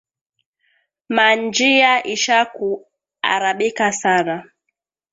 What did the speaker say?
Ma njiya isha ku arabika sana